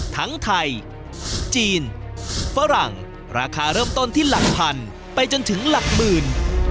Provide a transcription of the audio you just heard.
ทั้งไทยจีนฝรั่งราคาเริ่มต้นที่หลักพันไปจนถึงหลักหมื่น